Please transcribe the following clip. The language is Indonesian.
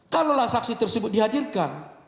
kalau saksi tersebut dihadirkan